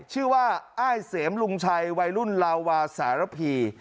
ชื่อว่าอ้ายเสมรุงชัยไว้รุ่นลาวาสารพี